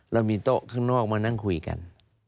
เรามีโต๊ะของน่อไปนั่งคุยกัน